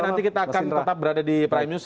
nanti kita akan tetap berada di prime news